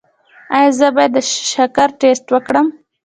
ایا زه باید د شکر ټسټ وکړم؟